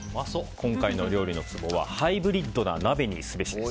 今回の料理のツボはハイブリッドな鍋にすべしです。